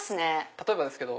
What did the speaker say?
例えばですけど。